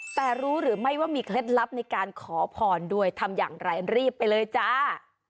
แต่รู้หรือไม่ว่ามีเคล็ดลับในการขอพรด้วยทำอย่างไรรีบไปเลยจ้า